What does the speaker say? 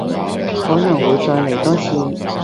可能會再嚟多次